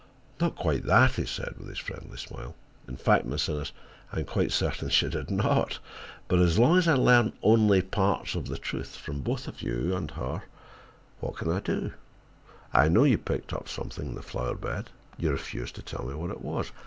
"Not quite that," he said, with his friendly smile. "In fact, Miss Innes, I am quite certain she did not. But as long as I learn only parts of the truth, from both you and her, what can I do? I know you picked up something in the flower bed: you refuse to tell me what it was.